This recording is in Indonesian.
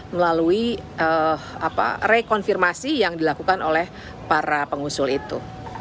melalui rekonfirmasi yang dilakukan oleh para pengusul itu